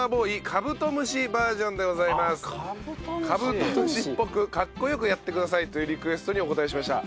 カブトムシっぽくかっこよくやってくださいというリクエストにお応えしました。